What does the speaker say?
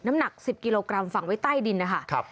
น้ำหนัก๑๐กิโลกรัมฝังไว้ใต้ดินนะคะ